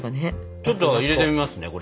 ちょっと入れてみますねこれ。